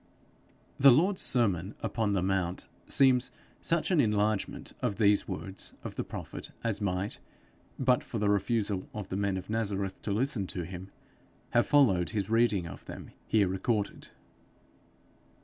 The Lord's sermon upon the mount seems such an enlargement of these words of the prophet as might, but for the refusal of the men of Nazareth to listen to him, have followed his reading of them here recorded.